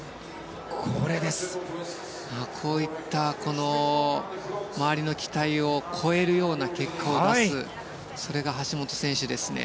こういった周りの期待を超えるような結果を出すそれが橋本選手ですね。